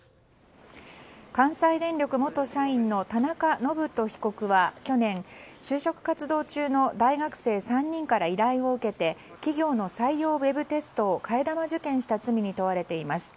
関西電力元社員の田中信人被告は去年就職活動中の大学生３人から依頼を受けて企業の採用ウェブテストを替え玉受験した罪に問われています。